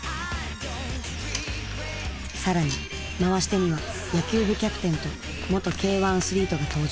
更に回し手には野球部キャプテンと元Ｋ‐１アスリートが登場。